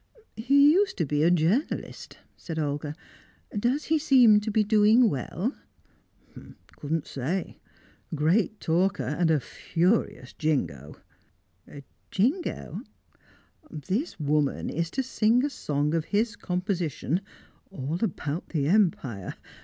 "He used to be a journalist," said Olga. "Does he seem to be doing well?" "Couldn't say. A great talker, and a furious Jingo." "Jingo?" "This woman is to sing a song of his composition, all about the Empire.